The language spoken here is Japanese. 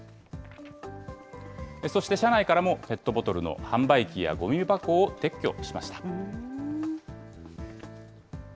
そして社内からもペットボトルの販売機やごみ箱を撤去しました。